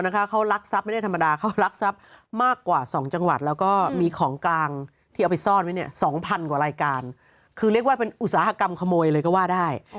เหรอวะพรุ่งนี้ไม่เจอพรุ่งนี้ไม่ใช่คิวฉัน